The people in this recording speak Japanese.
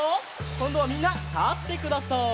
こんどはみんなたってください。